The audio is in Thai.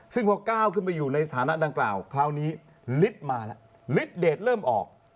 ซึ่งพอก้าวขึ้นไปอยู่ในสถานะดังกล่าวคราวนี้ฤทธิ์มาแล้วฤทธเดทเริ่มออก